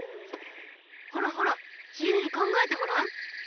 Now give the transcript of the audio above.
ほらほら自由に考えてごらん。